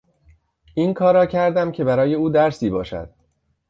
این کار را کردم که برای او درسی باشد.